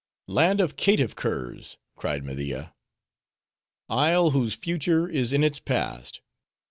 "Land of caitiff curs!" cried Media. "Isle, whose future is in its past.